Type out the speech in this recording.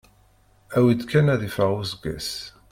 Awi-d kan ad iffeɣ useggas.